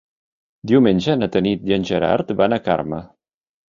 Diumenge na Tanit i en Gerard van a Carme.